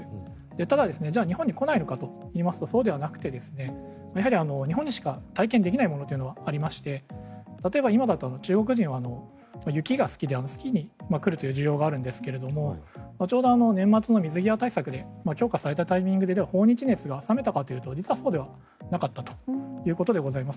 ただ、じゃあ日本に来ないのかといいますとそうではなくてやはり日本でしか体験できないものというのがありまして例えば今だと中国人は雪が好きでスキーに来るという需要があるんですがちょうど年末の水際対策で強化されたタイミングで訪日熱が冷めたかというと実はそうではなかったということでございます。